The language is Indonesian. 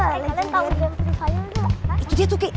kalian tahu yang satu saya udah apa